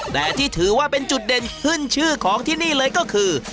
แต่ที่ถือว่าเป็นจุดเด่นขึ้นชื่อของที่นี่เลยก็คือ